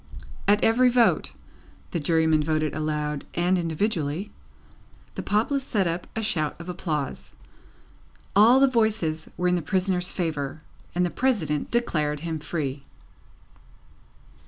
At every vote (the Jurymen voted aloud and individually), the populace set up a shout of applause. All the voices were in the prisoner's favour, and the President declared him free.